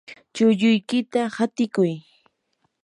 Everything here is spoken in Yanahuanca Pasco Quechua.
chulluykita hatikuy.